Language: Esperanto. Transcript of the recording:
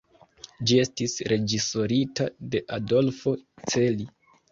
Ĝi estis reĝisorita de Adolfo Celi.